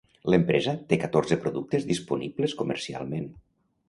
L'empresa té catorze productes disponibles comercialment.